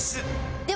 では